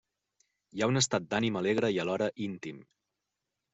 Hi ha un estat d'ànim alegre i alhora íntim.